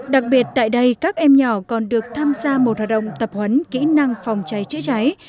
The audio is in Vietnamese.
đặc biệt tại đây các em nhỏ còn được tham gia một hoạt động tập huấn kỹ năng phòng cháy chữa cháy